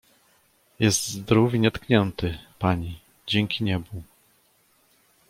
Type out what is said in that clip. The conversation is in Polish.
"jest zdrów i nietknięty, pani, dzięki niebu!"